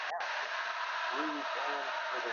তার জন্য ব্রেক দরকার।